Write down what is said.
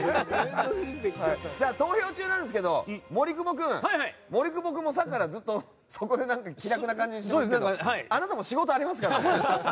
投票中なんですけど森久保君もさっきからずっとそこで気楽な感じでいますけどあなたも仕事がありますから。